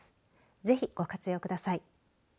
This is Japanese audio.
ぜひご活用ください。